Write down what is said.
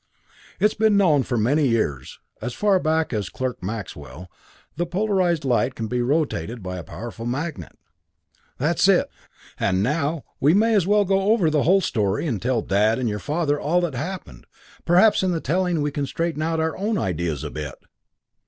It has been known for many years, as far back as Clerk Maxwell, that polarized light can be rotated by a powerful magnet." "That's it! And now we may as well go over the whole story, and tell Dad and your father all that happened. Perhaps in the telling, we can straighten out our own ideas a bit."